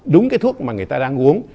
đúng cái thuốc mà người ta đang uống